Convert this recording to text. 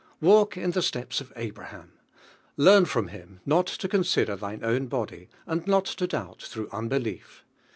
Walk in the steps of Abraham. Learn from him not to consider thine own body, and not to doubt through unbelief.